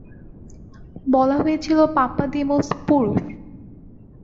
বলা হয়েছিল পাপ্পাদিমোস পুরুষ।